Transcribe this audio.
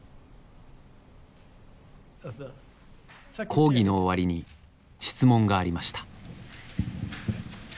講義の終わりに質問がありました。